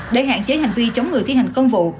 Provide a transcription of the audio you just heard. để hạn chế hành vi chống người thi hành công vụ